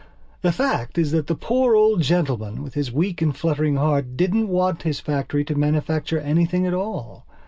The fact is that the poor old gentleman, with his weak and fluttering heart, didn't want his factory to manufacture anything at all.